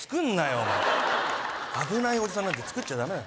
お前危ないおじさんなんて作っちゃダメだよ